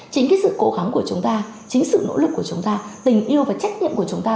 chính cái sự cố gắng của chúng ta chính sự nỗ lực của chúng ta